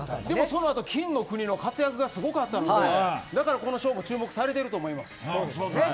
そのあと金の国の活躍がすごかったのでだからこの勝負は注目されていると思います。